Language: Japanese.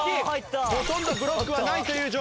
ほとんどブロックはないという状況